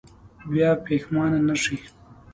بیا پښېمانه نه شئ.